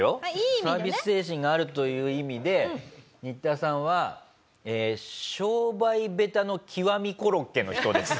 サービス精神があるという意味でニッタさんは商売下手の極みコロッケの人です。